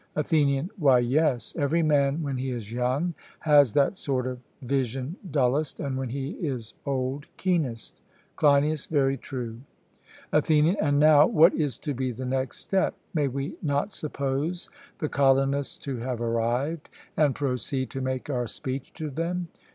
ATHENIAN: Why, yes; every man when he is young has that sort of vision dullest, and when he is old keenest. CLEINIAS: Very true. ATHENIAN: And now, what is to be the next step? May we not suppose the colonists to have arrived, and proceed to make our speech to them?